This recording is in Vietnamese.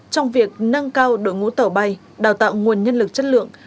trong việc nâng cao đội ngũ tẩu bay đào tạo nguồn nhân lực chất lượng